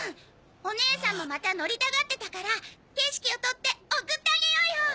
おねえさんもまた乗りたがってたから景色を撮って送ってあげようよ！